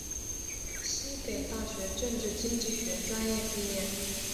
西北大学政治经济学专业毕业。